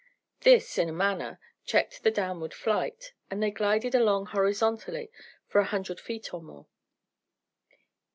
This, in a manner, checked the downward flight, and they glided along horizontally for a hundred feet or more.